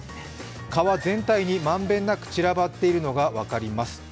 蚊は全体に満遍なく散らばっているのが分かります。